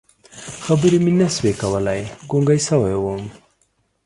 خبرې مې نه شوې کولی، ګونګی شوی وم.